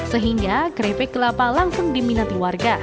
sehingga keripik kelapa langsung diminati warga